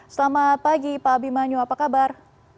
selamat pagi pak abimanyu apa kabar